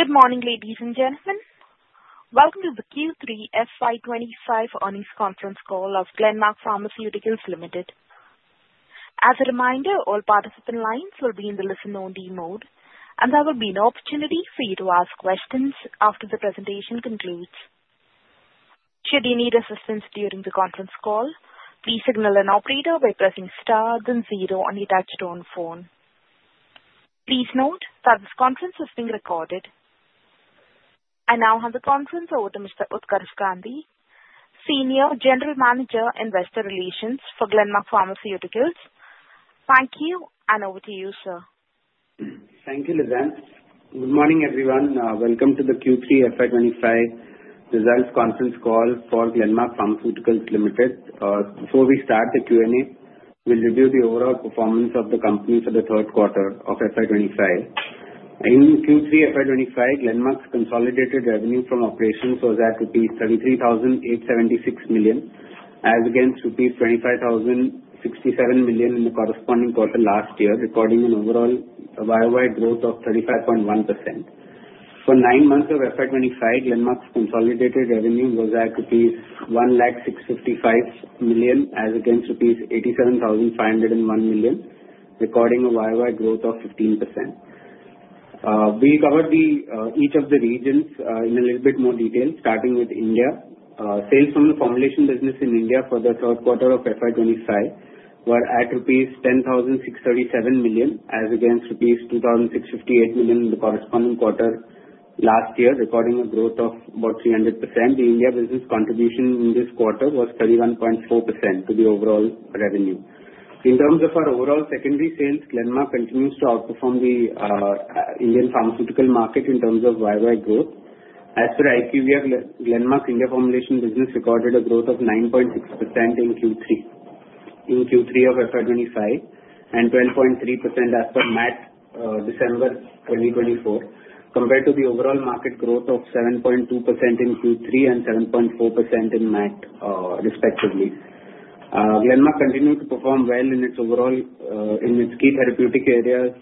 Good morning, ladies and gentlemen. Welcome to the Q3 FY 2025 Earnings Conference Call Of Glenmark Pharmaceuticals Limited. As a reminder, all participant lines will be in the listen-only mode, and there will be no opportunity for you to ask questions after the presentation concludes. Should you need assistance during the conference call, please signal an operator by pressing star then zero on your touch-tone phone. Please note that this conference is being recorded. I now hand the conference over to Mr. Utkarsh Gandhi, Senior General Manager Investor Relations for Glenmark Pharmaceuticals. Thank you, and over to you, sir. Thank you, Lizanne. Good morning, everyone. Welcome to the Q3 FY 2025 results conference call for Glenmark Pharmaceuticals Limited. Before we start the Q&A, we'll review the overall performance of the company for the third quarter of FY 2025. In Q3 FY 2025, Glenmark's consolidated revenue from operations was at rupees 33,876 million, as against rupees 25,067 million in the corresponding quarter last year, recording an overall YoY growth of 35.1%. For nine months of FY 2025, Glenmark's consolidated revenue was at 101,655 million, as against 87,501 million rupees, recording a YoY growth of 15%. We'll cover each of the regions in a little bit more detail, starting with India. Sales from the formulation business in India for the third quarter of FY 2025 were at INR 10,637 million, as against INR 2,658 million in the corresponding quarter last year, recording a growth of about 300%. The India business contribution in this quarter was 31.4% of the overall revenue. In terms of our overall secondary sales, Glenmark continues to outperform the Indian pharmaceutical market in terms of YoY growth. As per IQVIA, Glenmark's India formulation business recorded a growth of 9.6% in Q3 of FY 2025 and 12.3% as per MAT December 2024, compared to the overall market growth of 7.2% in Q3 and 7.4% in MAT, respectively. Glenmark continued to perform well in its key therapeutic areas,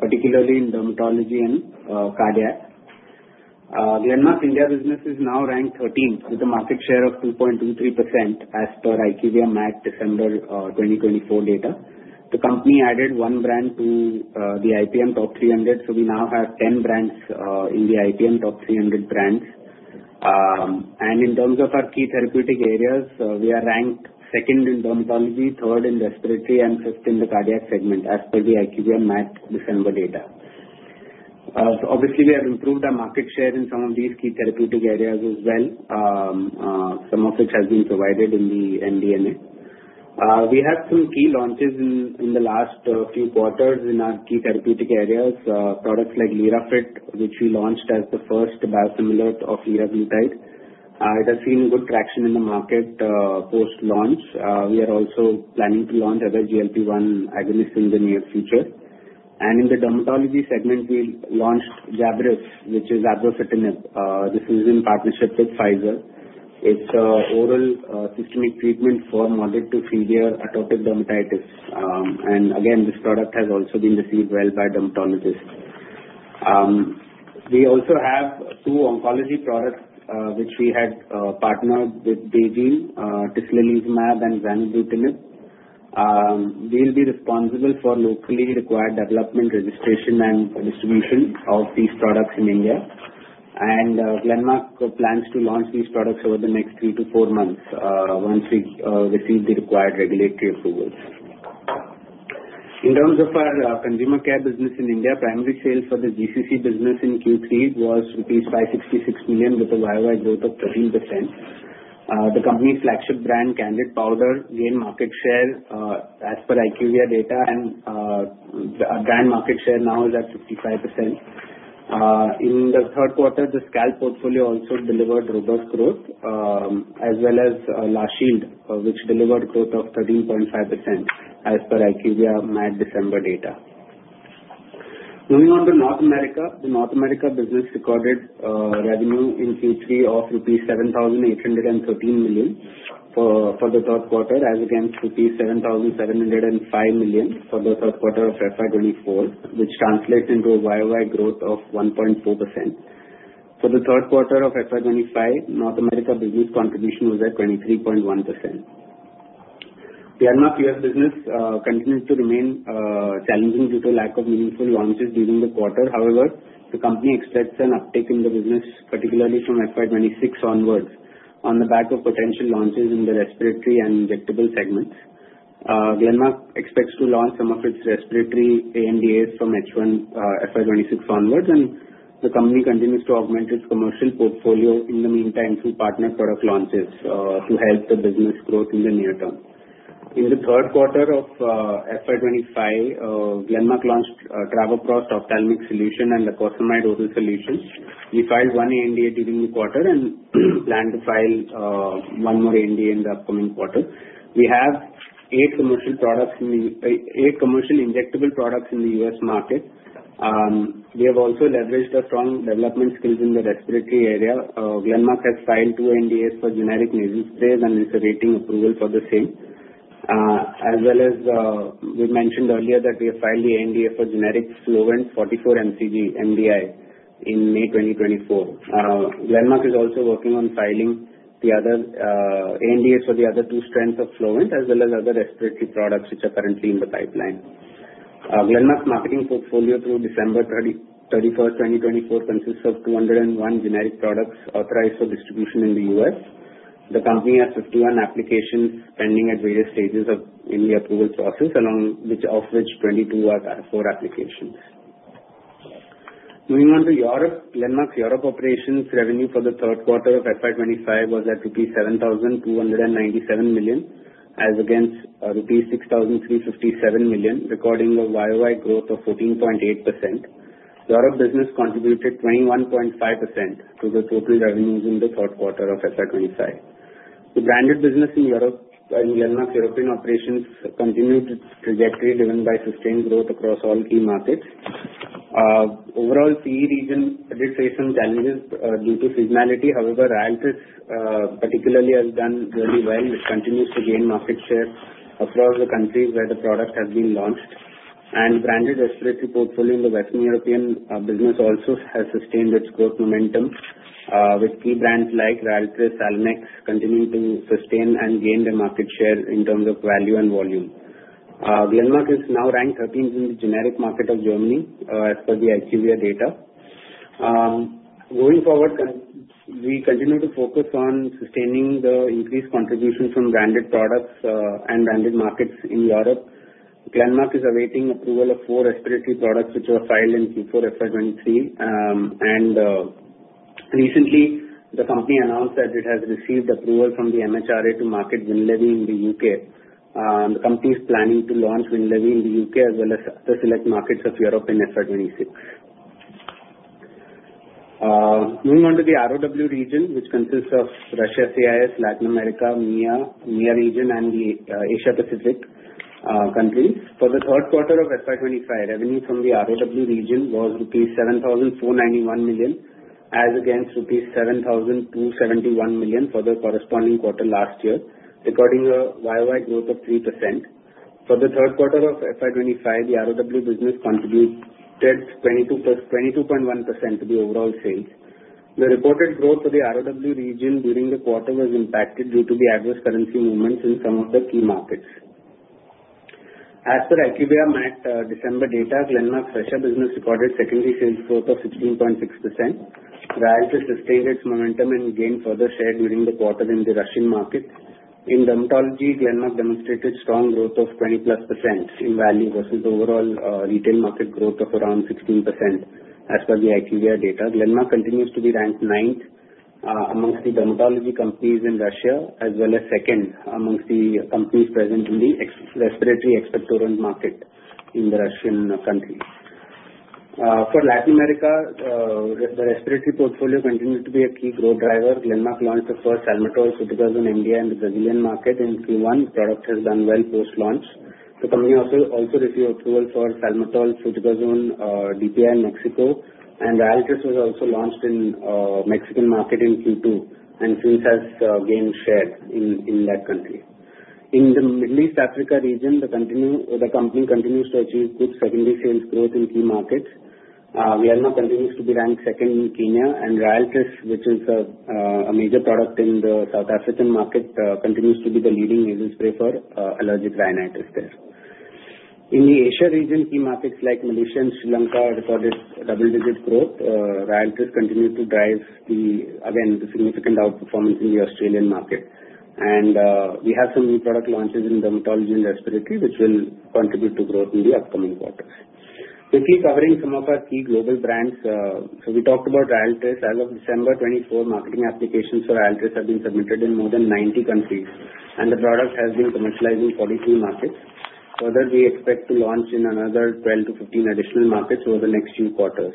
particularly in dermatology and cardiac. Glenmark's India business is now ranked 13th with a market share of 2.23% as per IQVIA MAT December 2024 data. The company added one brand to the IPM Top 300, so we now have 10 brands in the IPM Top 300 brands. In terms of our key therapeutic areas, we are ranked second in dermatology, third in respiratory, and fifth in the cardiac segment, as per the IQVIA MAT December data. Obviously, we have improved our market share in some of these key therapeutic areas as well, some of which have been provided in the MD&A. We had some key launches in the last few quarters in our key therapeutic areas, products like Lirafit, which we launched as the first biosimilar of liraglutide. It has seen good traction in the market post-launch. We are also planning to launch other GLP-1 agonists in the near future, and in the dermatology segment, we launched Jabryus, which is abrocitinib. This is in partnership with Pfizer. It's an oral systemic treatment for moderate to severe atopic dermatitis, and again, this product has also been received well by dermatologists. We also have two oncology products, which we had partnered with BeiGene, Tislelizumab, and Zanubrutinib. We'll be responsible for locally required development, registration, and distribution of these products in India. Glenmark plans to launch these products over the next three to four months once we receive the required regulatory approvals. In terms of our consumer care business in India, primary sales for the GCC business in Q3 was rupees 566 million with a YoY growth of 13%. The company's flagship brand, Candid Powder, gained market share as per IQVIA data, and brand market share now is at 55%. In the third quarter, the Scalpe portfolio also delivered robust growth, as well as La Shield, which delivered growth of 13.5% as per IQVIA MAT December data. Moving on to North America, the North America business recorded revenue in Q3 of rupees 7,813 million for the third quarter, as against rupees 7,705 million for the third quarter of FY 2024, which translates into a YoY growth of 1.4%. For the third quarter of FY 2025, North America business contribution was at 23.1%. The Glenmark U.S. business continues to remain challenging due to lack of meaningful launches during the quarter. However, the company expects an uptick in the business, particularly from FY 2026 onwards, on the back of potential launches in the respiratory and injectable segments. Glenmark expects to launch some of its respiratory ANDAs from FY 2026 onwards, and the company continues to augment its commercial portfolio in the meantime through partner product launches to help the business growth in the near term. In the third quarter of FY 25, Glenmark launched Travoprost Ophthalmic Solution and the Lacosamide Oral Solution. We filed one ANDA during the quarter and plan to file one more ANDA in the upcoming quarter. We have eight commercial injectable products in the U.S. market. We have also leveraged our strong development skills in the respiratory area. Glenmark has filed two ANDAs for generic nasal sprays and is awaiting approval for the same. As well as we mentioned earlier that we have filed the ANDA for generic Flovent 44 mcg MDI in May 2024. Glenmark is also working on filing the other ANDAs for the other two strengths of Flovent, as well as other respiratory products which are currently in the pipeline. Glenmark's marketing portfolio through December 31st, 2024, consists of 201 generic products authorized for distribution in the U.S. The company has 51 applications pending at various stages in the approval process, of which 22 are for applications. Moving on to Europe, Glenmark's Europe operations revenue for the third quarter of FY 2025 was at rupees 7,297 million, as against rupees 6,357 million, recording a YoY growth of 14.8%. Europe business contributed 21.5% to the total revenues in the third quarter of FY 2025. The branded business in Europe, Glenmark's European operations, continued its trajectory driven by sustained growth across all key markets. Overall, the EU region did face some challenges due to seasonality. However, Ryaltris, particularly has done really well, continues to gain market share across the countries where the product has been launched, and the branded respiratory portfolio in the Western European business also has sustained its growth momentum, with key brands like Ryaltris, Salmex continuing to sustain and gain the market share in terms of value and volume. Glenmark is now ranked 13th in the generic market of Germany as per the IQVIA data. Going forward, we continue to focus on sustaining the increased contribution from branded products and branded markets in Europe. Glenmark is awaiting approval of four respiratory products which were filed in Q4 FY 2023. Recently, the company announced that it has received approval from the MHRA to market Winlevi in the U.K. The company is planning to launch in the U.K. as well as the select markets of Europe in FY 26. Moving on to the ROW region, which consists of Russia CIS, Latin America, MEA region, and the Asia-Pacific countries. For the third quarter of FY 2005, revenue from the ROW region was 7,491 million rupees, as against 7,271 million rupees for the corresponding quarter last year, recording a YoY growth of 3%. For the third quarter of FY 2025, the ROW business contributed 22.1% of the overall sales. The reported growth for the ROW region during the quarter was impacted due to the adverse currency movements in some of the key markets. As per IQVIA MAT December data, Glenmark's Russia business recorded secondary sales growth of 16.6%. Ryaltris sustained its momentum and gained further share during the quarter in the Russian market. In dermatology, Glenmark demonstrated strong growth of 20+% in value versus the overall retail market growth of around 16% as per the IQVIA data. Glenmark continues to be ranked ninth amongst the dermatology companies in Russia, as well as second amongst the companies present in the respiratory expectorant market in the Russian country. For Latin America, the respiratory portfolio continued to be a key growth driver. Glenmark launched the first salmeterol fluticasone MDI in the Brazilian market in Q1. The product has done well post-launch. The company also received approval for salmeterol fluticasone DPI in Mexico, and Ryaltris was also launched in the Mexican market in Q2 and since has gained share in that country. In the Middle East and Africa region, the company continues to achieve good secondary sales growth in key markets. Glenmark continues to be ranked second in Kenya, and Ryaltris, which is a major product in the South African market, continues to be the leading nasal spray for allergic rhinitis there. In the Asia region, key markets like Malaysia and Sri Lanka recorded double-digit growth. Ryaltris continued to drive, again, the significant outperformance in the Australian market, and we have some new product launches in dermatology and respiratory, which will contribute to growth in the upcoming quarters. Quickly covering some of our key global brands, so we talked about Ryaltris. As of December 24, marketing applications for Ryaltris have been submitted in more than 90 countries, and the product has been commercialized in 43 markets. Further, we expect to launch in another 12-15 additional markets over the next few quarters.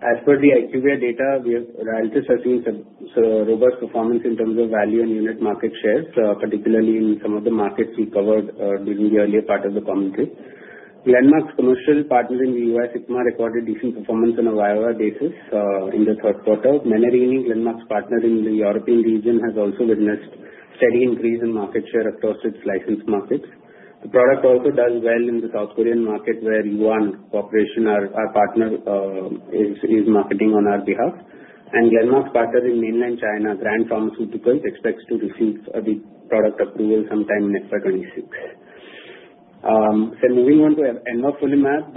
As per the IQVIA data, Ryaltris has seen robust performance in terms of value and unit market shares, particularly in some of the markets we covered during the earlier part of the commentary. Glenmark's commercial partners in the U.S., Hikma, recorded decent performance on a YoY basis in the third quarter. Menarini, Glenmark's partner in the European region, has also witnessed a steady increase in market share across its licensed markets. The product also does well in the South Korean market, where Yuhan Corporation, our partner, is marketing on our behalf, and Glenmark's partner in mainland China, Grand Pharmaceuticals, expects to receive the product approval sometime in FY 2026, so moving on to Envafolimab,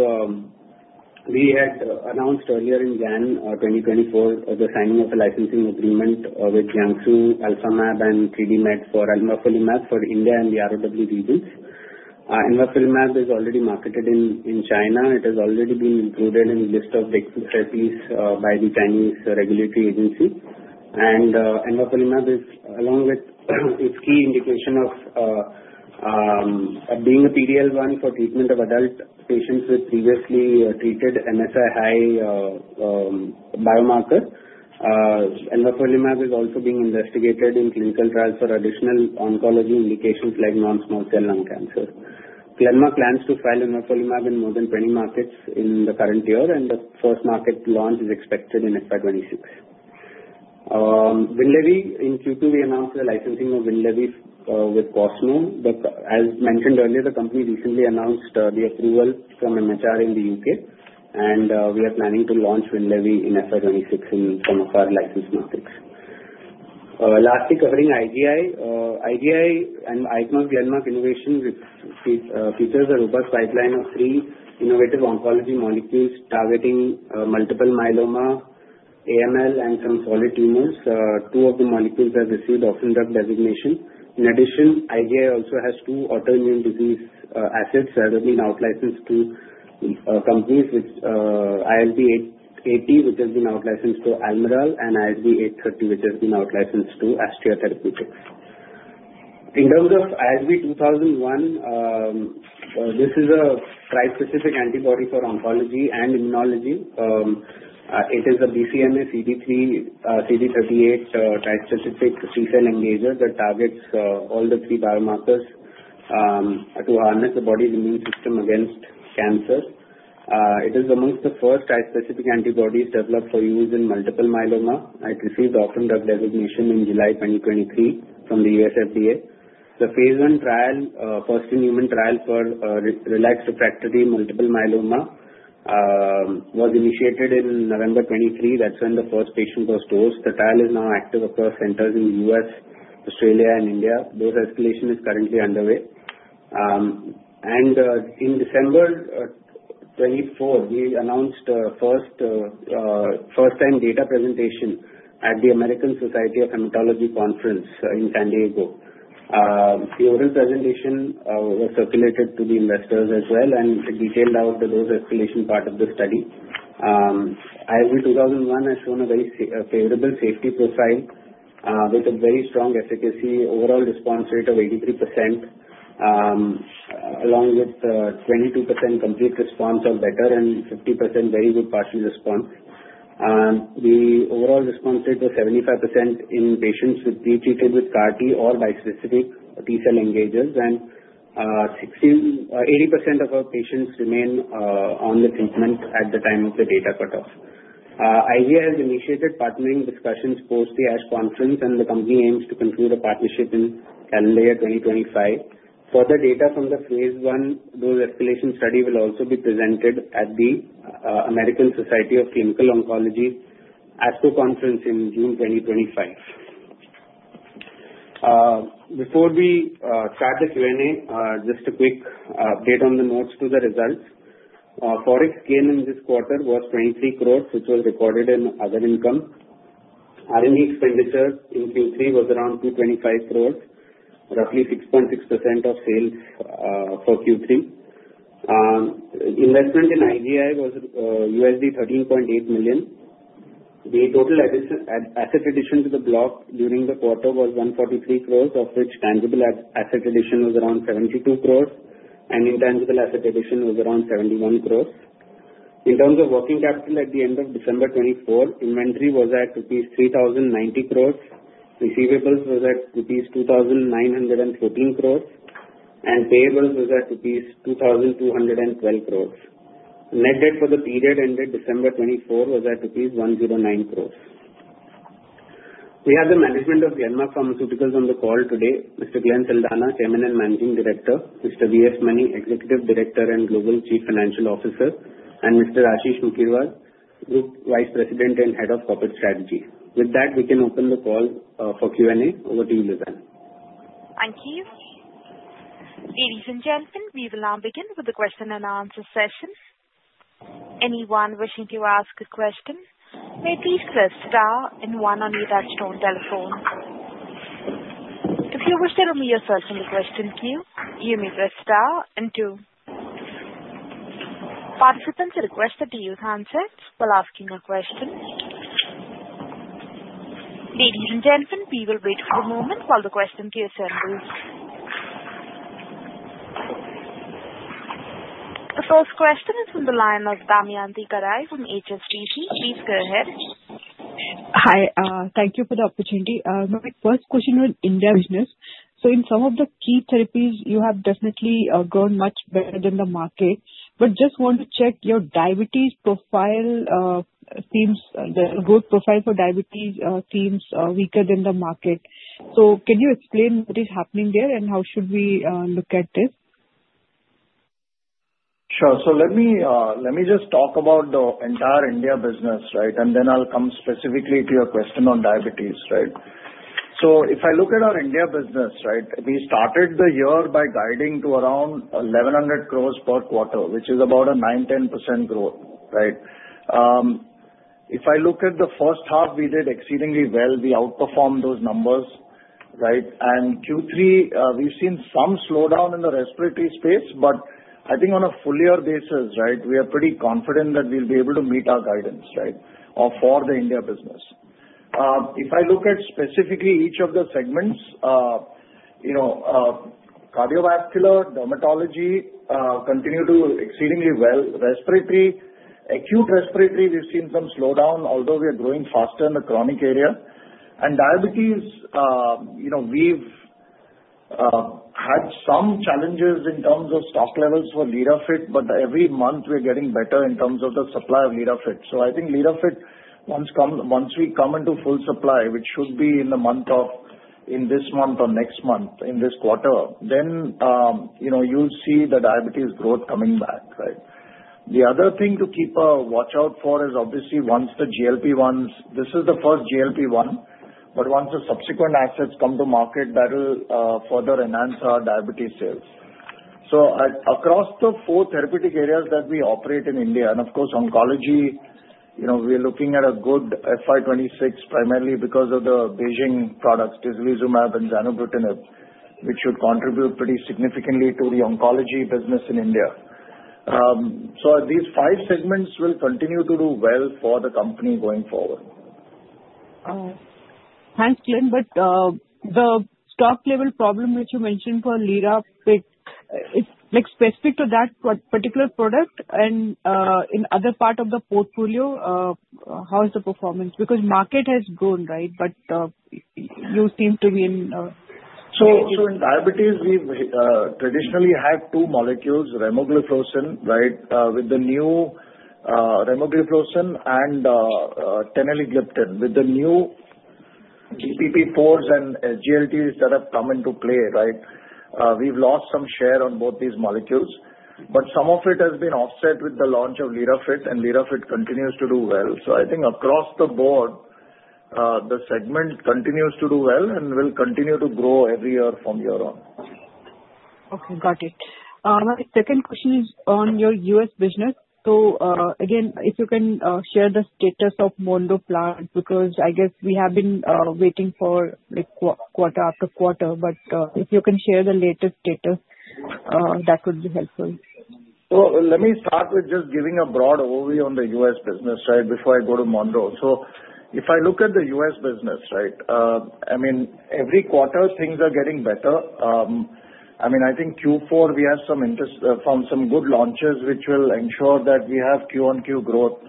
we had announced earlier in January 2024 the signing of a licensing agreement with Jiangsu Alphamab and 3D Medicines for Envafolimab for India and the ROW regions. Envafolimab is already marketed in China. It has already been included in the list of [inaudible] by the Chinese regulatory agency, and Envafolimab is, along with its key indication of being a PD-L1 for treatment of adult patients with previously treated MSI-High biomarker, Envafolimab is also being investigated in clinical trials for additional oncology indications like non-small cell lung cancer. Glenmark plans to file Envafolimab in more than 20 markets in the current year, and the first market launch is expected in FY 2026. Winlevi, in Q2, we announced the licensing of Winlevi with Cosmo. As mentioned earlier, the company recently announced the approval from MHRA in the U.K., and we are planning to launch Winlevi in FY 2026 in some of our licensed markets. Lastly, covering IGI, IGI and Ichnos Glenmark Innovation features a robust pipeline of three innovative oncology molecules targeting multiple myeloma, AML, and some solid tumors. Two of the molecules have received Orphan Drug Designation. In addition, IGI also has two autoimmune disease assets that have been outlicensed to companies, ISB 880, which has been outlicensed to Almirall, and ISB 830, which has been outlicensed to Astria Therapeutics. In terms of ISB 2001, this is a trispecific antibody for oncology and immunology. It is a BCMA CD38 trispecific T-cell engager that targets all the three biomarkers to harness the body's immune system against cancer. It is among the first trispecific antibodies developed for use in multiple myeloma. It received Orphan Drug Designation in July 2023 from the U.S. FDA. The phase one trial, first in human trial for relapsed refractory multiple myeloma, was initiated in November 2023. That's when the first patient was dosed. The trial is now active across centers in the U.S., Australia, and India. Dose escalation is currently underway. In December 2024, we announced first-time data presentation at the American Society of Hematology Conference in San Diego. The oral presentation was circulated to the investors as well and detailed out the dose escalation part of the study. ISB 2001 has shown a very favorable safety profile with a very strong efficacy, overall response rate of 83%, along with 22% complete response or better and 50% very good partial response. The overall response rate was 75% in patients treated with CAR-T or bispecific T-cell engagers, and 80% of our patients remain on the treatment at the time of the data cutoff. IGI has initiated partnering discussions post the ASH conference, and the company aims to conclude a partnership in calendar year 2025. Further data from the phase one dose escalation study will also be presented at the American Society of Clinical Oncology ASCO conference in June 2025. Before we start the Q&A, just a quick update on the notes to the results. Forex gain in this quarter was 23 crores, which was recorded in other income. R&D expenditure in Q3 was around 225 crores, roughly 6.6% of sales for Q3. Investment in IGI was $13.8 million. The total asset addition to the block during the quarter was 143 crores, of which tangible asset addition was around 72 crores, and intangible asset addition was around 71 crores. In terms of working capital at the end of December 2024, inventory was at INR 3,090 crores, receivables was at INR 2,914 crores, and payables was at INR 2,212 crores. Net debt for the period ended December 2024 was at INR 109 crores. We have the management of Glenmark Pharmaceuticals on the call today, Mr. Glenn Saldanha, Chairman and Managing Director, Mr. V. S. Mani, Executive Director and Global Chief Financial Officer, and Mr. Ashish K. Mukherjee, Group Vice President and Head of Corporate Strategy. With that, we can open the call for Q&A. Over to you, Lizanne. Thank you. Ladies and gentlemen, we will now begin with the question and answer session. Anyone wishing to ask a question may please press star and one on their telephone. If you wish to remove yourself from the question queue, you may press star and two. Participants are requested to use handsets while asking a question. Ladies and gentlemen, we will wait for the moment while the question queue assembles. The first question is from the line of Damayanti Kerai from HSBC. Please go ahead. Hi, thank you for the opportunity. My first question was India business. So in some of the key therapies, you have definitely grown much better than the market. But just want to check your diabetes profile seems the growth profile for diabetes seems weaker than the market. So can you explain what is happening there and how should we look at this? Sure. So let me just talk about the entire India business, right? And then I'll come specifically to your question on diabetes, right? So if I look at our India business, right, we started the year by guiding to around 1,100 crores per quarter, which is about a 9%-10% growth, right? If I look at the first half, we did exceedingly well. We outperformed those numbers, right? And Q3, we've seen some slowdown in the respiratory space, but I think on a fuller basis, right, we are pretty confident that we'll be able to meet our guidance, right, for the India business. If I look at specifically each of the segments, cardiovascular, dermatology continue to exceedingly well. Respiratory, acute respiratory, we've seen some slowdown, although we are growing faster in the chronic area. And diabetes, we've had some challenges in terms of stock levels for Lirafit, but every month we are getting better in terms of the supply of Lirafit. So I think Lirafit, once we come into full supply, which should be in the month of this month or next month, in this quarter, then you'll see the diabetes growth coming back, right? The other thing to keep a watch out for is obviously once the GLP-1s, this is the first GLP-1, but once the subsequent assets come to market, that will further enhance our diabetes sales. Across the four therapeutic areas that we operate in India, and of course, oncology, we are looking at a good FY 2026 primarily because of the BeiGene products, Tislelizumab and Zanubrutinib, which should contribute pretty significantly to the oncology business in India. These five segments will continue to do well for the company going forward. Thanks, Glenn. But the stock level problem which you mentioned for Lirafit, it's specific to that particular product? And in other part of the portfolio, how is the performance? Because market has grown, right, but you seem to be in. In diabetes, we traditionally have two molecules, Remogliflozin, right, with the new Remogliflozin and Teneligliptin. With the new DPP-4s and GLP-1s that have come into play, right, we've lost some share on both these molecules. But some of it has been offset with the launch of Lirafit, and Lirafit continues to do well. So I think across the board, the segment continues to do well and will continue to grow every year from here on. Okay, got it. My second question is on your U.S. business. So again, if you can share the status of Monroe plant because I guess we have been waiting for quarter after quarter, but if you can share the latest status, that would be helpful. So let me start with just giving a broad overview on the U.S. business, right, before I go to Monroe. So if I look at the U.S. business, right, I mean, every quarter, things are getting better. I mean, I think Q4, we have some good launches which will ensure that we have Q on Q growth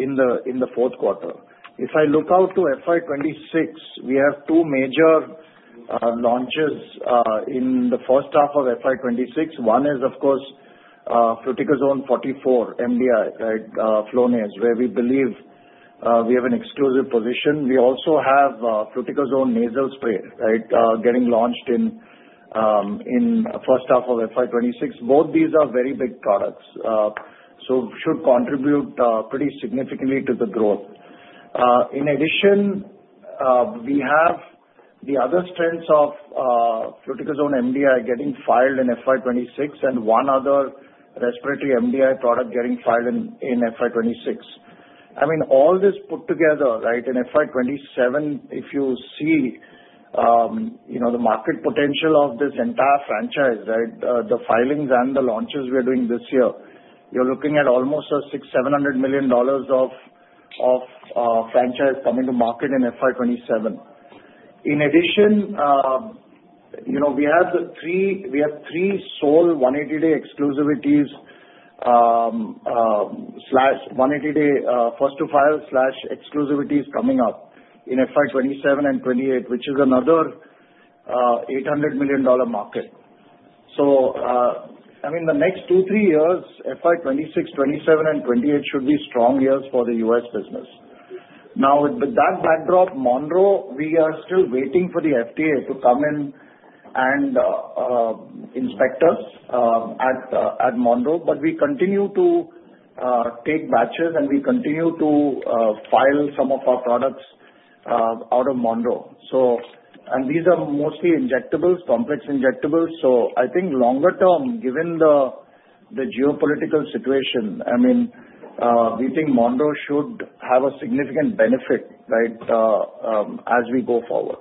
in the fourth quarter. If I look out to FY 2026, we have two major launches in the first half of FY 2026. One is, of course, Fluticasone 44 MDI, right, Flonase, where we believe we have an exclusive position. We also have Fluticasone nasal spray, right, getting launched in the first half of FY 2026. Both these are very big products, so should contribute pretty significantly to the growth. In addition, we have the other strengths of Fluticasone MDI getting filed in FY 202 6 and one other respiratory MDI product getting filed in FY 2026. I mean, all this put together, right, in FY 2027, if you see the market potential of this entire franchise, right, the filings and the launches we are doing this year, you're looking at almost a $600-$700 million of franchise coming to market in FY 2027. In addition, we have three sole 180-day exclusivities/180-day first-to-file/exclusivities coming up in FY 2027 and FY 2028, which is another $800 million market. So I mean, the next two, three years, FY 2026,FY 2027, and FY 2028 should be strong years for the U.S. business. Now, with that backdrop, Monroe, we are still waiting for the FDA to come in and inspect us at Monroe, but we continue to take batches and we continue to file some of our products out of Monroe. And these are mostly injectables, complex injectables. So I think longer term, given the geopolitical situation, I mean, we think Monroe should have a significant benefit, right, as we go forward.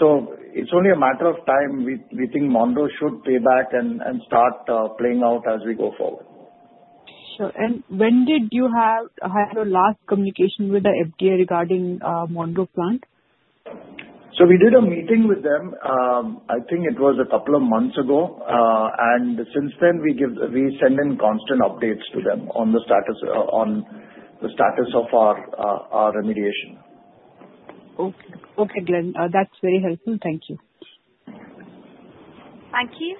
So it's only a matter of time. We think Monroe should pay back and start playing out as we go forward. Sure. And when did you have your last communication with the FDA regarding Monroe plant? So we did a meeting with them. I think it was a couple of months ago. And since then, we send in constant updates to them on the status of our remediation. Okay, Glenn. That's very helpful. Thank you. Thank you.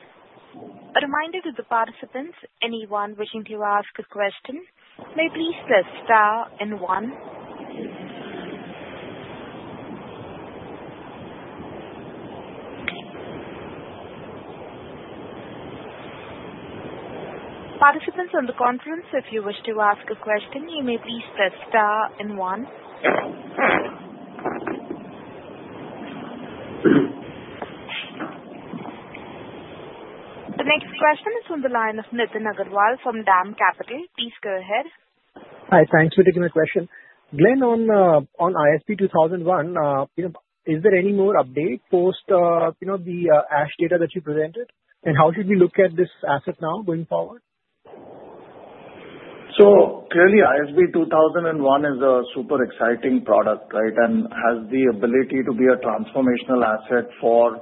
A reminder to the participants, anyone wishing to ask a question, may please press star and one. Participants on the conference, if you wish to ask a question, you may please press star and one. The next question is from the line of Nitin Agarwal from Dam Capital. Please go ahead. Hi, thanks for taking the question. Glenn, on ISB 2001, is there any more update post the ASH data that you presented? And how should we look at this asset now going forward? So clearly, ISB 2001 is a super exciting product, right, and has the ability to be a transformational asset for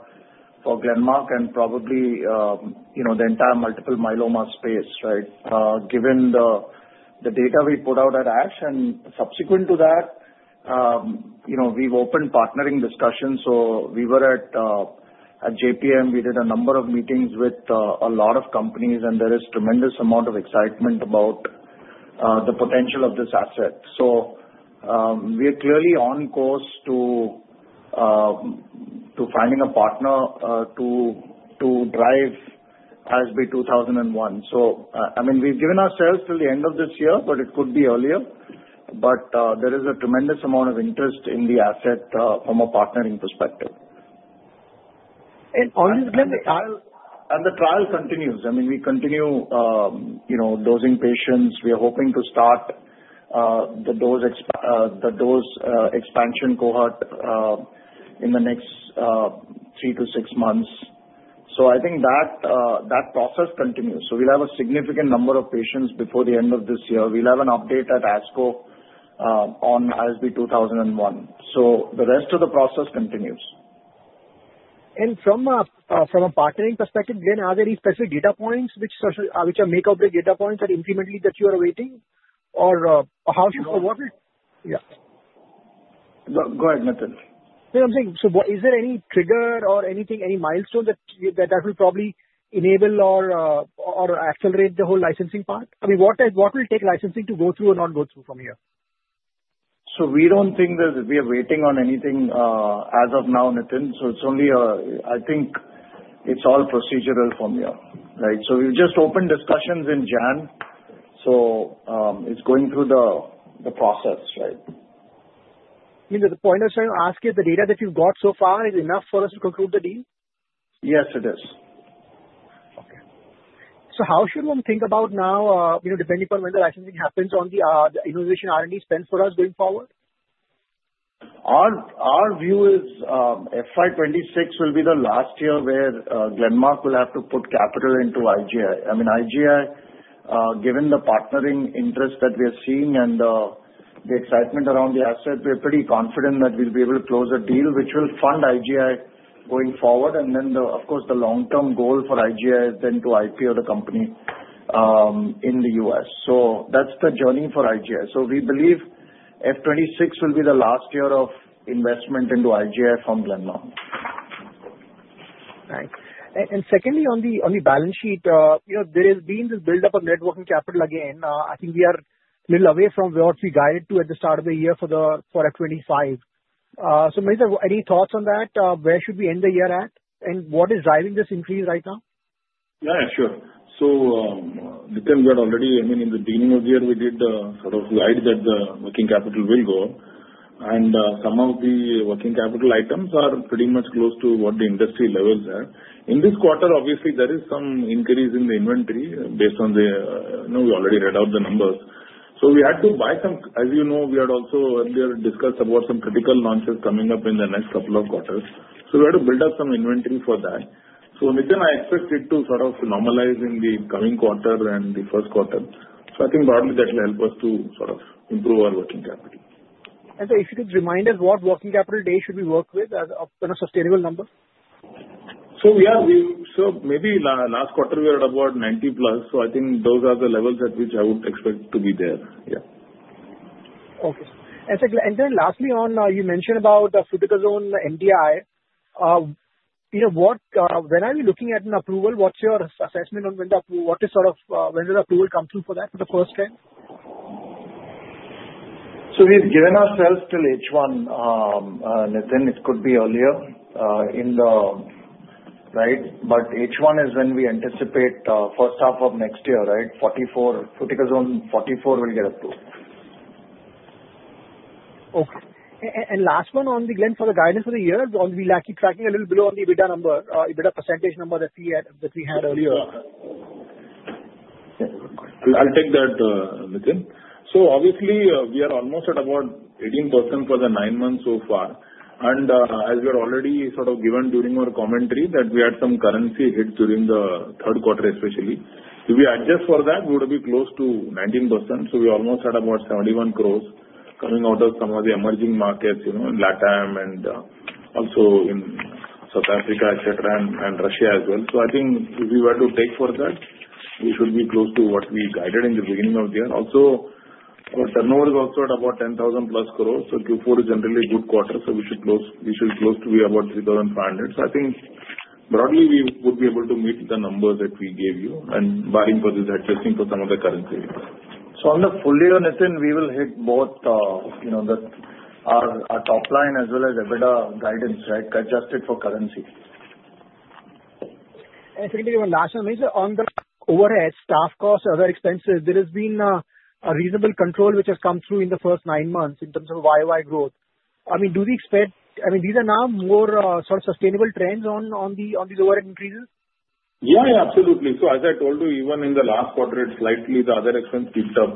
Glenmark and probably the entire multiple myeloma space, right, given the data we put out at ASH. Subsequent to that, we've opened partnering discussions. We were at JPM. We did a number of meetings with a lot of companies, and there is a tremendous amount of excitement about the potential of this asset. We are clearly on course to finding a partner to drive ISB 2001. I mean, we've given ourselves till the end of this year, but it could be earlier. There is a tremendous amount of interest in the asset from a partnering perspective. On this trial. The trial continues. I mean, we continue dosing patients. We are hoping to start the dose expansion cohort in the next three to six months. I think that process continues. We'll have a significant number of patients before the end of this year. We'll have an update at ASCO on ISB 2001. The rest of the process continues. From a partnering perspective, Glenn, are there any specific data points which are make-or-break data points that incrementally you are awaiting? Or how should we— yeah. Go ahead, Nitin. Glenn, I'm saying, so is there any trigger or anything, any milestone that will probably enable or accelerate the whole licensing part? I mean, what will take licensing to go through or not go through from here? So we don't think that we are waiting on anything as of now, Nitin. So it's only—I think it's all procedural from here, right? So we've just opened discussions in January. So it's going through the process, right? I mean, the point I was trying to ask you, the data that you've got so far is enough for us to conclude the deal? Yes, it is. Okay. So how should one think about now, depending upon when the licensing happens, on the innovation R&D spend for us going forward? Our view is FY 2026 will be the last year where Glenmark will have to put capital into IGI. I mean, IGI, given the partnering interest that we are seeing and the excitement around the asset, we are pretty confident that we'll be able to close a deal which will fund IGI going forward, and then, of course, the long-term goal for IGI is then to IPO the company in the U.S., so that's the journey for IGI, so we believe FY 2026 will be the last year of investment into IGI from Glenmark. Right, and secondly, on the balance sheet, there has been this buildup of net working capital again. I think we are a little away from what we guided to at the start of the year for FY 2025. So maybe any thoughts on that? Where should we end the year at? And what is driving this increase right now? Yeah, sure. So Nitin, we had already. I mean, in the beginning of the year, we did sort of guide that the working capital will go. And some of the working capital items are pretty much close to what the industry levels are. In this quarter, obviously, there is some increase in the inventory based on. I know we already read out the numbers. So we had to buy some, as you know, we had also earlier discussed about some critical launches coming up in the next couple of quarters. So we had to build up some inventory for that. So Nitin, I expect it to sort of normalize in the coming quarter and the first quarter. So I think broadly, that will help us to sort of improve our working capital. And if you could remind us what working capital days should we work with as a kind of sustainable number? So maybe last quarter, we were at about 90+. So I think those are the levels at which I would expect to be there. Yeah. Okay. And then lastly, you mentioned about Fluticasone MDI. When are you looking at an approval? What's your assessment on when the, what is sort of when will the approval come through for that for the first time? So we've given ourselves till H1. Nitin, it could be earlier in the, right? But H1 is when we anticipate first half of next year, right? Fluticasone 44 will get approved. Okay. And last one on the, Glenn, for the guidance for the year, we'll be tracking a little below on the EBITDA number, EBITDA percentage number that we had earlier. I'll take that, Nitin. So obviously, we are almost at about 18% for the nine months so far. And as we had already sort of given during our commentary that we had some currency hit during the third quarter, especially. If we adjust for that, we would be close to 19%. So we almost had about 71 crores coming out of some of the emerging markets in LATAM and also in South Africa, etc., and Russia as well. So I think if we were to take for that, we should be close to what we guided in the beginning of the year. Also, our turnover is also at about 10,000 plus crores. So Q4 is generally a good quarter. So we should close to be about 3,500. So I think broadly, we would be able to meet the numbers that we gave you and barring for this adjusting for some of the currency. So on the full year, Nitin, we will hit both our top line as well as EBITDA guidance, right, adjusted for currency. And secondly, one last one, on the overhead, staff costs, other expenses, there has been a reasonable control which has come through in the first nine months in terms of YoY growth. I mean, do we expect—I mean, these are now more sort of sustainable trends on these overhead increases? Yeah, yeah, absolutely. So as I told you, even in the last quarter, it's slightly the other expense picked up.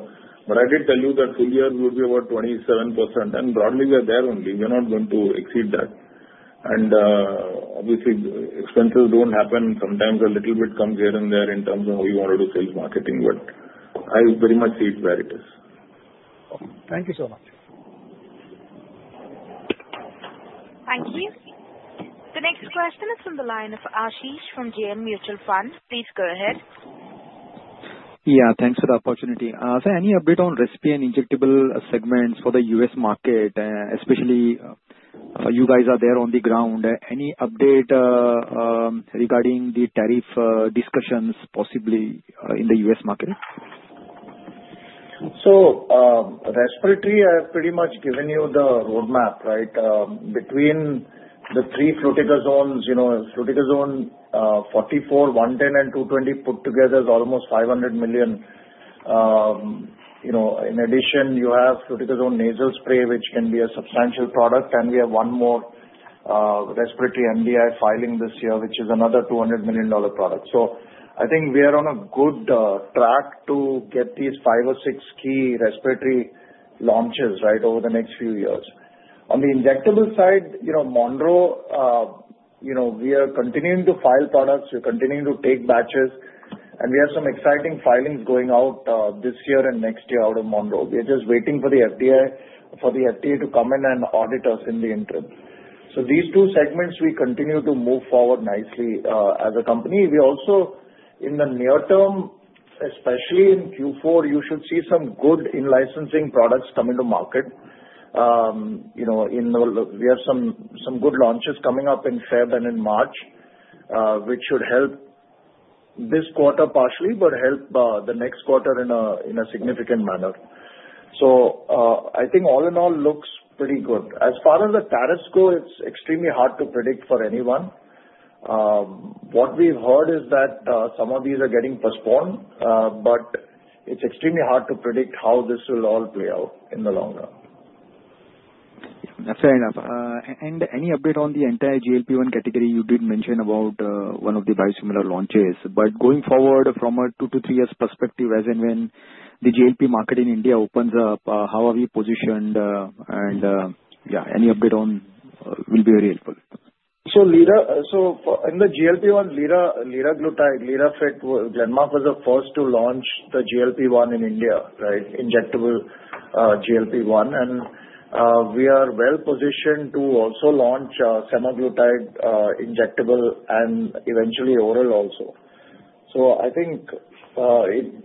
But I did tell you that full year will be about 27%. And broadly, we are there only. We are not going to exceed that, and obviously, expenses don't happen. Sometimes a little bit comes here and there in terms of how we wanted to sell marketing, but I very much see it where it is. Thank you so much. Thank you. The next question is from the line of Ashish from JM Mutual Fund. Please go ahead. Yeah, thanks for the opportunity. So any update on respiratory and injectable segments for the U.S. market, especially you guys are there on the ground? Any update regarding the tariff discussions possibly in the U.S. market? So respiratory, I have pretty much given you the roadmap, right? Between the three Fluticasones, Fluticasone 44, 110, and 220 put together is almost $500 million. In addition, you have Fluticasone nasal spray, which can be a substantial product. We have one more respiratory MDI filing this year, which is another $200 million product. I think we are on a good track to get these five or six key respiratory launches, right, over the next few years. On the injectable side, Monroe, we are continuing to file products. We're continuing to take batches. And we have some exciting filings going out this year and next year out of Monroe. We are just waiting for the FDA to come in and audit us in the interim. So these two segments, we continue to move forward nicely as a company. We also, in the near term, especially in Q4, you should see some good in-licensing products come into market. We have some good launches coming up in February and in March, which should help this quarter partially, but help the next quarter in a significant manner. So I think all in all looks pretty good. As far as the tariffs go, it's extremely hard to predict for anyone. What we've heard is that some of these are getting postponed, but it's extremely hard to predict how this will all play out in the long run. That's fair enough. And any update on the entire GLP-1 category? You did mention about one of the biosimilar launches. But going forward from a two to three years perspective, as in when the GLP market in India opens up, how are we positioned? And yeah, any update will be very helpful. So in the GLP-1, Liraglutide, Lirafit, Glenmark was the first to launch the GLP-1 in India, right, injectable GLP-1. And we are well positioned to also launch semaglutide injectable and eventually oral also. So I think,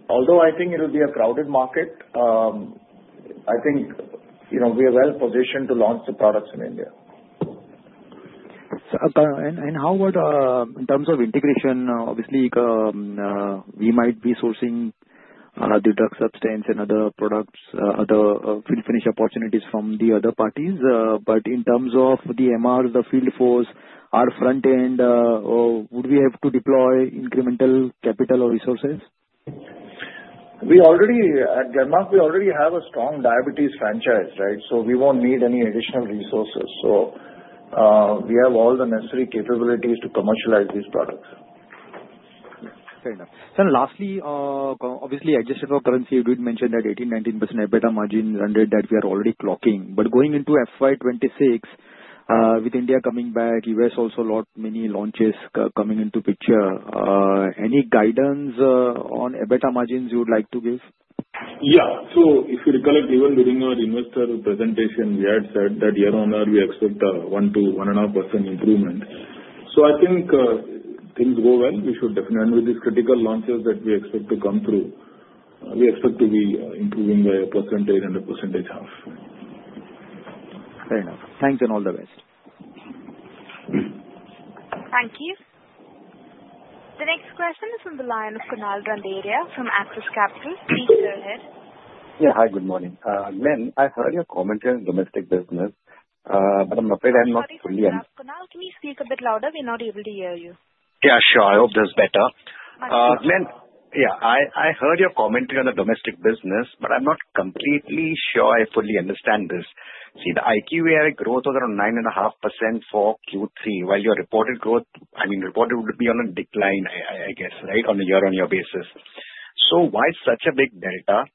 although I think it will be a crowded market, I think we are well positioned to launch the products in India. And how about in terms of integration? Obviously, we might be sourcing the drug substance and other products, other finished opportunities from the other parties. But in terms of the MRs, the field force, our front end, would we have to deploy incremental capital or resources? At Glenmark, we already have a strong diabetes franchise, right? So we won't need any additional resources. So we have all the necessary capabilities to commercialize these products. Fair enough. And lastly, obviously, adjusted for currency, you did mention that 18%-19% EBITDA margin run rate that we are already clocking. But going into FY 2026, with India coming back, U.S. also a lot many launches coming into picture. Any guidance on EBITDA margins you would like to give? Yeah. So if you recollect, even during our investor presentation, we had said that year on year, we expect a 1-1.5% improvement. So I think things go well. We should definitely—and with these critical launches that we expect to come through, we expect to be improving by a percentage and a percentage half. Fair enough. Thanks and all the best. Thank you. The next question is from the line of Kunal Randeria from Axis Capital. Please go ahead. Yeah. Hi, good morning. Glenn, I heard your commentary on domestic business, but I'm afraid I'm not fully— Sorry, Kunal, can you speak a bit louder? We're not able to hear you. Yeah, sure. I hope that's better. Glenn, yeah, I heard your commentary on the domestic business, but I'm not completely sure I fully understand this. See, the IQVIA growth was around 9.5% for Q3, while your reported growth - I mean, reported would be on a decline, I guess, right, on a year-on-year basis. So why such a big delta?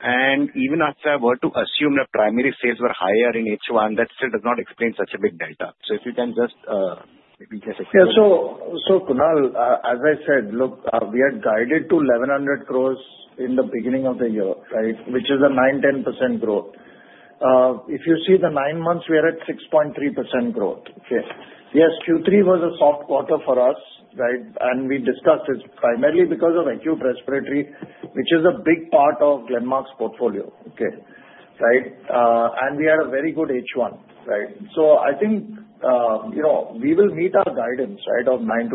And even if I were to assume that primary sales were higher in H1, that still does not explain such a big delta. So if you can just maybe just explain? Yeah. So Kunal, as I said, look, we had guided to 1,100 crores in the beginning of the year, right, which is a 9%-10% growth. If you see the nine months, we are at 6.3% growth. Okay? Yes, Q3 was a soft quarter for us, right? And we discussed it primarily because of acute respiratory, which is a big part of Glenmark's portfolio, okay? Right? And we had a very good H1, right? So, I think we will meet our guidance, right, of 9%-10%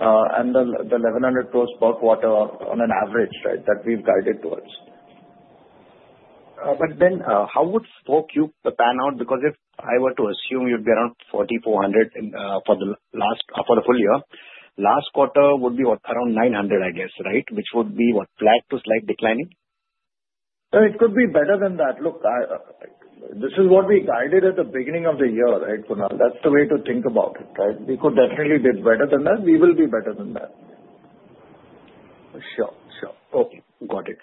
and the 1,100 crores per quarter on an average, right, that we've guided towards. But then, how would 4Q pan out? Because if I were to assume you'd be around 4,400 for the full year, last quarter would be around 900, I guess, right? Which would be what, flat to slight declining? It could be better than that. Look, this is what we guided at the beginning of the year, right, Kunal? That's the way to think about it, right? We could definitely be better than that. We will be better than that. Sure, sure. Okay. Got it.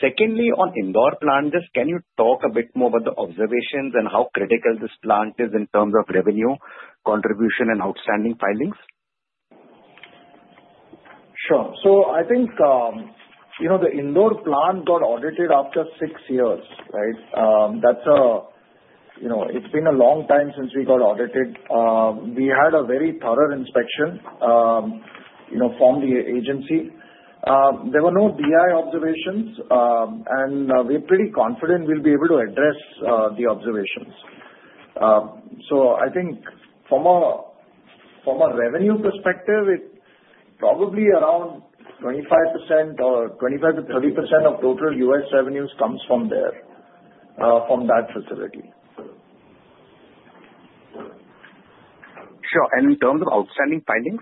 Secondly, on Indore plant, just can you talk a bit more about the observations and how critical this plant is in terms of revenue contribution and outstanding filings? Sure. I think the Indore plant got audited after six years, right? That's a, it's been a long time since we got audited. We had a very thorough inspection from the agency. There were no DI observations, and we're pretty confident we'll be able to address the observations. I think from a revenue perspective, it's probably around 25% or 25%-30% of total U.S. revenues comes from there, from that facility. Sure. And in terms of outstanding filings?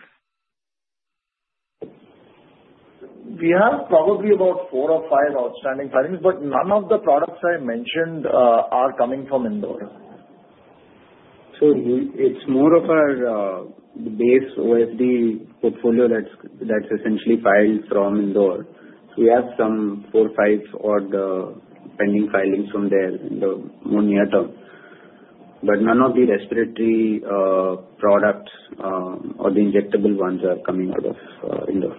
We have probably about four or five outstanding filings, but none of the products I mentioned are coming from Indore. So it's more of our base OSD portfolio that's essentially filed from Indore. So we have some four, five odd pending filings from there in the more near term. But none of the respiratory products or the injectable ones are coming out of Indore.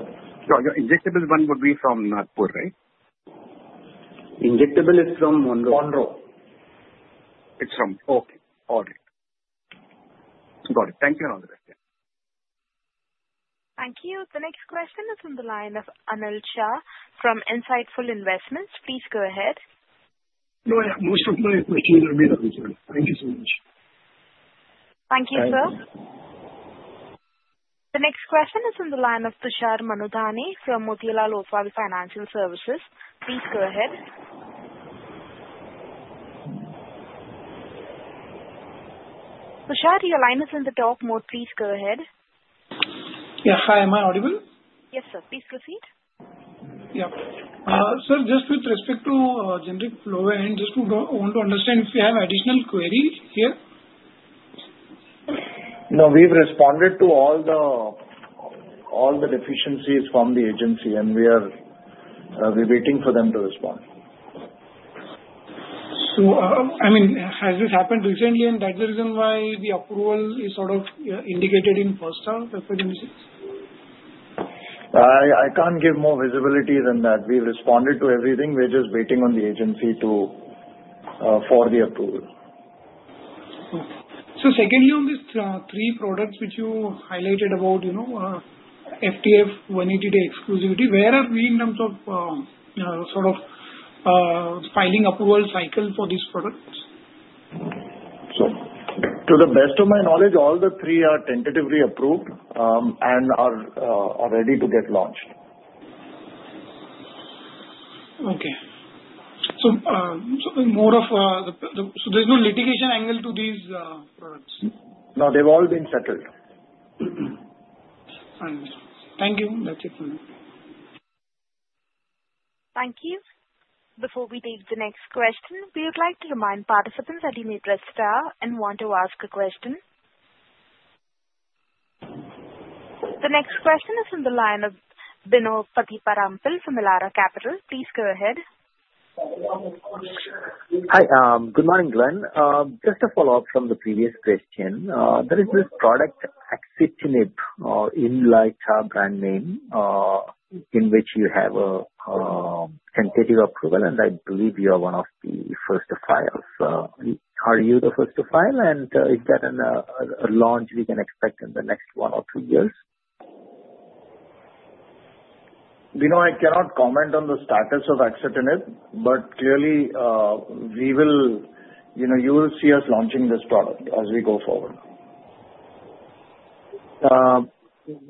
So your injectable one would be from Nagpur, right? Got it. Got it. Thank you and all the best. Thank you. The next question is from the line of Anil Shah from Insightful Investments. Please go ahead. No, yeah, most of my questions will be the answer. Thank you so much. Thank you, sir. The next question is from the line of Tushar Manudhane from Motilal Oswal Financial Services. Please go ahead. Tushar, your line is in the talk mode. Please go ahead. Yeah. Hi, am I audible? Yes, sir. Please proceed. Yeah. Sir, just with respect to generic flow and just want to understand if you have additional queries here. No, we've responded to all the deficiencies from the agency, and we are waiting for them to respond. So I mean, has this happened recently? And that's the reason why the approval is sort of indicated in first half of the business? I can't give more visibility than that. We've responded to everything. We're just waiting on the agency for the approval. Okay. So secondly, on these three products which you highlighted about FTF 180-day exclusivity, where are we in terms of sort of filing approval cycle for these products? So to the best of my knowledge, all the three are tentatively approved and are ready to get launched. Okay. So more of the—so there's no litigation angle to these products? No, they've all been settled. Thank you. That's it for me. Thank you. Before we take the next question, we would like to remind participants that you may press star one to ask a question. The next question is from the line of Bino Pathiparampil from Elara Capital. Please go ahead. Hi. Good morning, Glenn. Just a follow-up from the previous question. There is this product, Axitinib, Inlyta brand name, in which you have a tentative equivalent.I beleive you are one of the first to file. Are you the first to file? And is that a launch we can expect in the next one or two years? You know,I cannot comment on the status of Axitinib, but clearly, we will—you will see us launching this product as we go forward.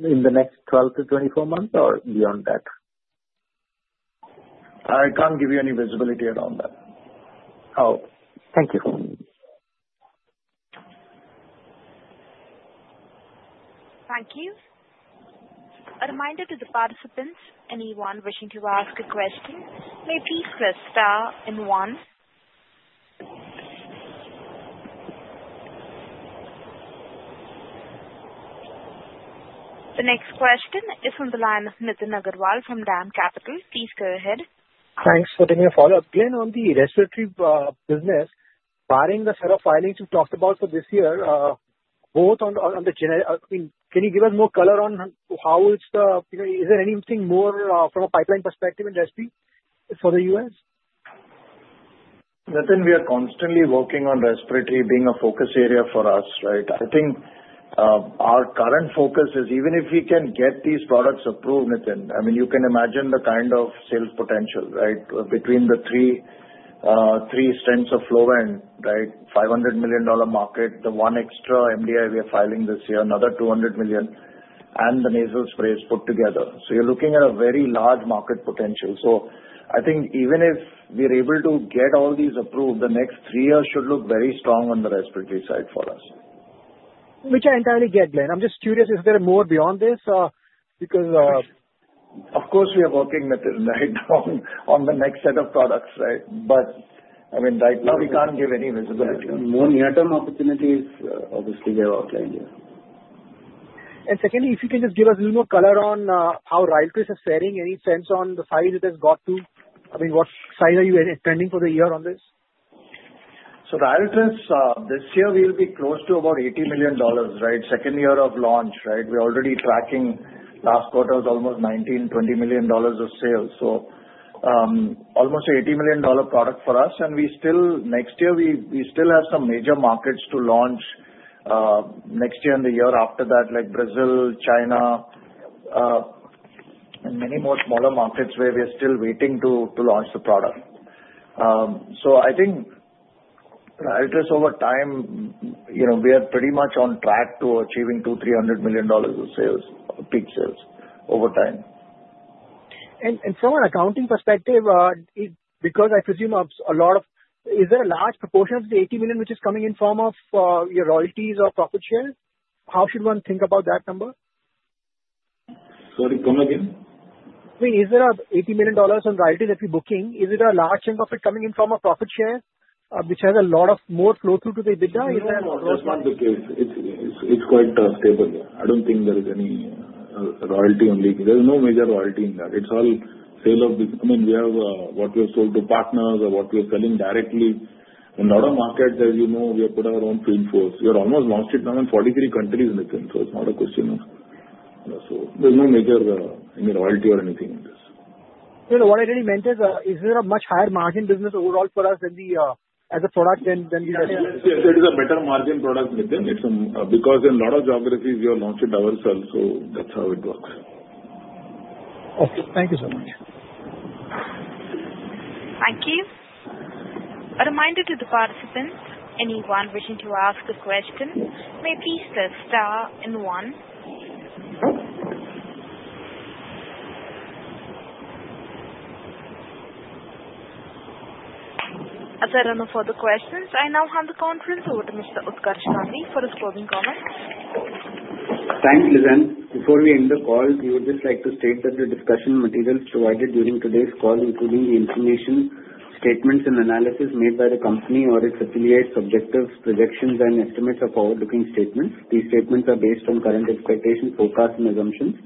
In the next 12 to 24 months or beyond that? I can't give you any visibility around that. Oh, thank you. Thank you. A reminder to the participants, anyone wishing to ask a question, may please press star in one. The next question is from the line of Nitin Agarwal from Dam Capital. Please go ahead. Thanks for taking a follow-up. Glenn, on the respiratory business, barring the set of filings we've talked about for this year, both on the—I mean, can you give us more color on how it is? Is there anything more from a pipeline perspective in respiratory for the U.S.? Nitin, we are constantly working on respiratory being a focus area for us, right? I think our current focus is even if we can get these products approved, Nitin, I mean, you can imagine the kind of sales potential, right, between the three strengths of Flovent, right, $500 million market, the one extra MDI we are filing this year, another $200 million, and the nasal sprays put together. So you're looking at a very large market potential. So I think even if we're able to get all these approved, the next three years should look very strong on the respiratory side for us. Which I entirely get, Glenn. I'm just curious if there are more beyond this because. Of course, we are working, Nitin, right, on the next set of products, right? But I mean, right now, we can't give any visibility. More near-term opportunities, obviously, we have outlined here. And secondly, if you can just give us a little more color on how Ryaltris is faring, any sense on the size it has got to? I mean, what size are you expecting for the year on this? So Ryaltris, this year, we will be close to about $80 million, right, second year of launch, right? We're already tracking last quarter was almost $19-$20 million of sales. So almost $80 million product for us. And next year, we still have some major markets to launch next year and the year after that, like Brazil, China, and many more smaller markets where we are still waiting to launch the product. So I think Ryaltris, over time, we are pretty much on track to achieving $200-$300 million of sales, peak sales over time. And from an accounting perspective, because I presume a lot of—is there a large proportion of the $80 million which is coming in form of your royalties or profit share? How should one think about that number? Sorry, come again? I mean, is there $80 million on royalties that we're booking? Is it a large chunk of it coming in from a profit share which has a lot of more flow through to the EBITDA? It's not the case. It's quite stable. I don't think there is any royalty on Ryaltris. There's no major royalty in that. It's all sale of—I mean, we have what we have sold to partners or what we are selling directly. In a lot of markets, as you know, we have put our own field force. We have almost launched it now in 43 countries, Nitin. So it's not a question of—so there's no major royalty or anything in this. What I really meant is, is there a much higher margin business overall for us as a product than we just— Yes, yes. It is a better margin product, Nitin, because in a lot of geographies, we have launched it ourselves. So that's how it works. Okay. Thank you so much. Thank you. A reminder to the participants, anyone wishing to ask a question, may please press star in one. As there are no further questions, I now hand the conference over to Mr. Utkarsh Gandhi for his closing comments. Thanks, Glenn. Before we end the call, we would just like to state that the discussion materials provided during today's call, including the forward-looking statements and analysis made by the company or its affiliates, objectives, projections, and estimates of forward-looking statements, these statements are based on current expectations, forecasts, and assumptions.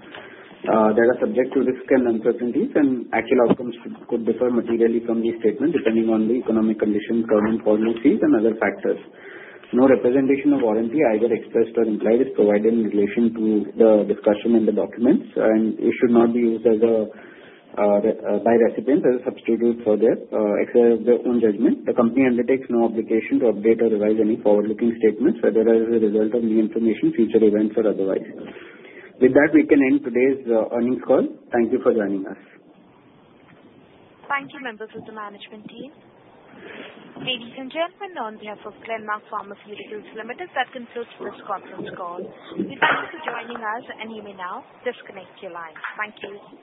There are subjective risks and uncertainties, and actual outcomes could differ materially from these statements depending on the economic conditions, government policies, and other factors. No representation or warranty, either expressed or implied, is provided in relation to the discussion in the documents, and it should not be used by recipients as a substitute for their own judgment. The company undertakes no obligation to update or revise any forward-looking statements, whether as a result of new information, future events, or otherwise. With that, we can end today's earnings call. Thank you for joining us. Thank you, members, of the management team. Ladies and gentlemen, on behalf of Glenmark Pharmaceuticals Limited, that concludes this conference call. We thank you for joining us, and you may now disconnect your line. Thank you.